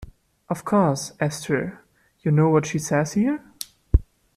Of course, Esther, you know what she says here?